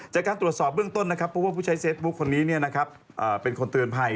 จากการตรวจสอบเบื้องต้นนะครับเพราะว่าผู้ใช้เฟซบุ๊คคนนี้เป็นคนเตือนภัย